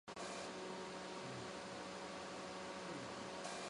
该镇由原梅县区雁洋镇和原梅县区三乡镇合并而成。